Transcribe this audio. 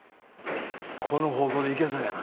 この方向でいけそうやな。